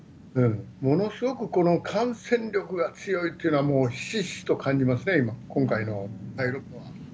ものすごくこの感染力が強いというのは、もうひしひしと感じますね、今回の第６波。